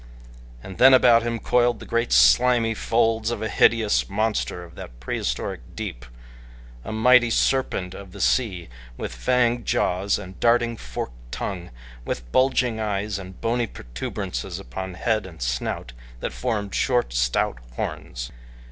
And then about him coiled the great, slimy folds of a hideous monster of that prehistoric deep a mighty serpent of the sea, with fanged jaws, and darting forked tongue, with bulging eyes, and bony protuberances upon head and snout that formed short, stout horns.